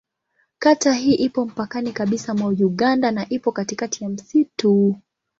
Kata hii ipo mpakani kabisa mwa Uganda na ipo katikati ya msitu.